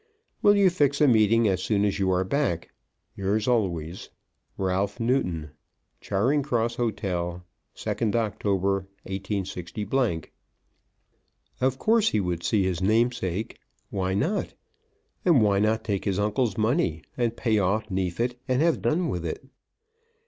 Will you fix a meeting as soon as you are back? Yours always, RALPH NEWTON. Charing Cross Hotel, 2 Oct., 186 . Of course he would see his namesake. Why not? And why not take his uncle's money, and pay off Neefit, and have done with it?